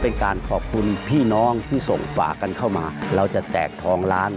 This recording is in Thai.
นั่นน่ะสิครับ